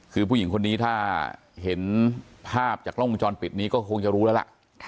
คือผู้หญิงคนนี้ถ้าเห็นภาพจากกล้องวงจรปิดนี้ก็คงจะรู้แล้วล่ะ